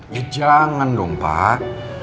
ya jangan dong pak